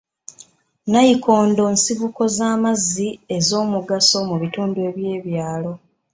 Nnayikondo nsibuko z'amazzi ez'omugaso mu bitundu by'ebyalo.